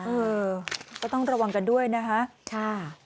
เออก็ต้องระวังกันด้วยนะคะ